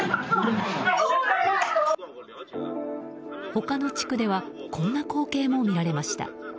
他の地区ではこんな光景も見られました。